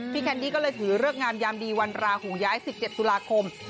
แคนดี้ก็เลยถือเลิกงามยามดีวันราหูย้าย๑๗ตุลาคม